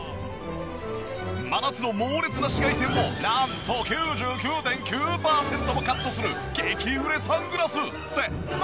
真夏の猛烈な紫外線をなんと９９．９パーセントもカットする激売れサングラス！って何？